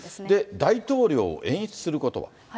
大統領を演出することは。